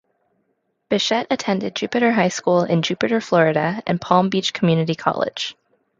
Bichette attended Jupiter High School in Jupiter, Florida, and Palm Beach Community College.